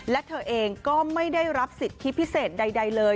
และเธอเองก็ไม่ได้รับสิทธิพิเศษใดเลย